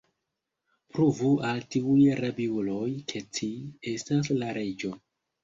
Pruvu al tiuj rabiuloj, ke ci estas la Reĝo!